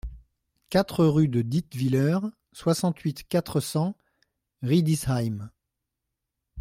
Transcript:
quatre rue de Dietwiller, soixante-huit, quatre cents, Riedisheim